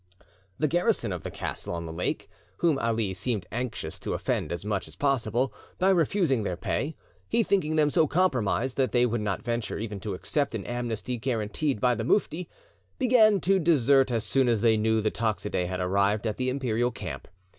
The garrison of the castle on the lake, whom Ali seemed anxious to offend as much as possible, by refusing their pay, he thinking them so compromised that they would not venture even to accept an amnesty guaranteed by the mufti, began to desert as soon as they knew the Toxidae had arrived at the Imperial camp.